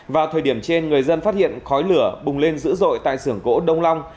vào thời điểm trên người dân phát hiện khói lửa bùng lên dữ dội tại xưởng gỗ đông long